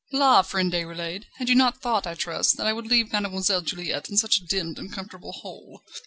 "La, friend Déroulède! you had not thought, I trust, that I would leave Mademoiselle Juliette in such a demmed, uncomfortable hole?"